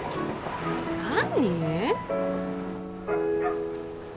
何？